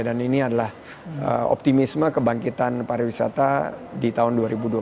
dan ini adalah optimisme kebangkitan pariwisata di tahun dua ribu dua puluh tiga